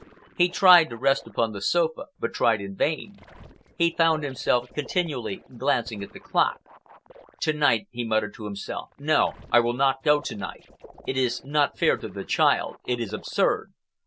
He tried to rest upon the sofa, but tried in vain. He found himself continually glancing at the clock. "To night," he muttered to himself,—"no, I will not go to night! It is not fair to the child. It is absurd.